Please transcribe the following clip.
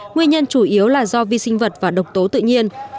nguyên nhân chủ yếu là do vi sinh vật và độc tố tự nhiên